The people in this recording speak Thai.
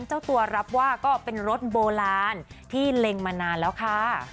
เจ้าตัวรับว่าก็เป็นรถโบราณที่เล็งมานานแล้วค่ะ